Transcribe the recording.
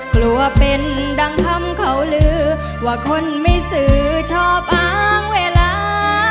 กลัวเป็นดังคำเขาลือว่าคนไม่สื่อชอบอ้างเวลา